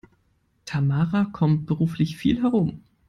Tamara kommt beruflich viel herum.